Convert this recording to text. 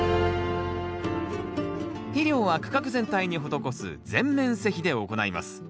肥料は区画全体に施す全面施肥で行います。